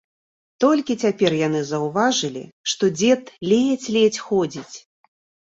Толькі цяпер яны заўважылі, што дзед ледзь-ледзь ходзіць.